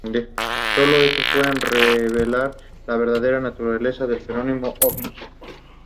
Los compradores misteriosos que no cuenten con una licencia podrían enfrentarse a multas.